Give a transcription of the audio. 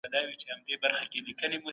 که ته ژمنه وکړې، بايد پوره يې کړې.